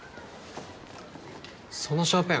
そのシャーペン